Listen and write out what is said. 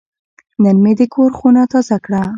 نن مې د کور خونه تازه کړه.